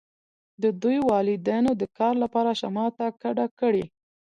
د دوی والدینو د کار لپاره شمال ته کډه کړې